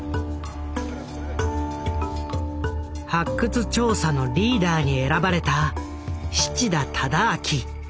発掘調査のリーダーに選ばれた七田忠昭。